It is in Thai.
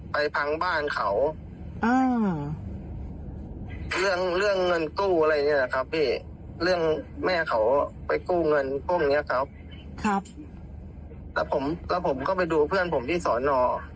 ไปกู้เงินพวกนี้ครับครับแล้วผมก็ไปดูเพื่อนผมที่ศน